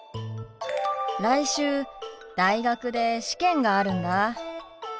来週大学で試験があるんだ。